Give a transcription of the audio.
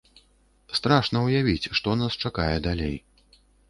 Страшна ўявіць, што нас чакае далей.